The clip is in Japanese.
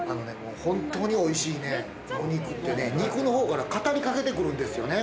本当においしいお肉ってね、肉のほうから語りかけてくるんですよね。